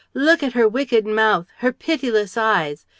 Look at her wicked mouth, her pitiless eyes!